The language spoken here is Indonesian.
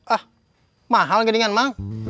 ah mahal gedingan mang